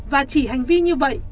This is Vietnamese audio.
và chỉ hành vi như vậy